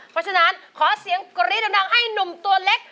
เพราะฉะนั้นขอเสียงกรี๊ดดังให้หนุ่มตัวเล็ก